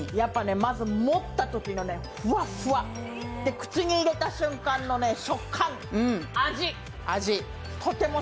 まず、持ったときのふわふわ口に入れた瞬間の食感、味。